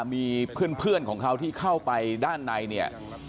มีเพื่อนของเขาที่เข้าไปด้านในเนี่ย